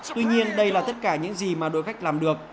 tuy nhiên đây là tất cả những gì mà đội khách làm được